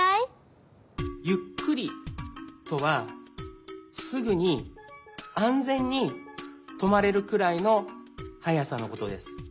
「ゆっくり」とはすぐに安全にとまれるくらいのはやさのことです。